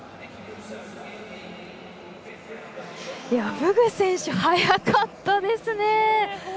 フグ選手、速かったですね。